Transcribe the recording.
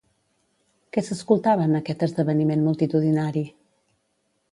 Què s'escoltava en aquest esdeveniment multitudinari?